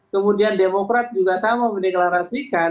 kemudian demokrat juga sama mendeklarasikan